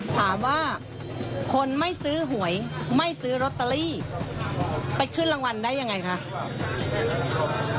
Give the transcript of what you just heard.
ถามว่าคนไม่ซื้อหวยไม่ซื้อลอตเตอรี่ไปขึ้นรางวัลได้ยังไงคะ